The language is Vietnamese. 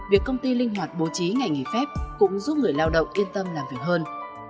việc công ty linh hoạt bố trí ngày nghỉ phép cũng giúp người lao động yên tâm làm việc hơn